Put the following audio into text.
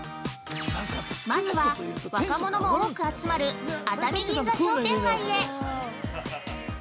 ◆まずは、若者も多く集まる熱海銀座商店街へ。